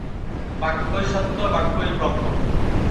বাক্যই সত্য, বাক্যই ব্রহ্ম।